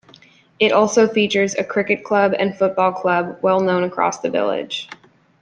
It also features a cricket club and football club well known across the village.